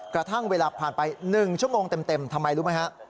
กระทั่งเวลาผ่านไป๑ชั่วโมงเต็มทำไมรู้ไหมฮะ